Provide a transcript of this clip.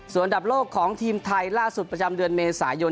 ส่วนอันดับโลกของทีมไทยล่าสุดประจำเดือนเมษายน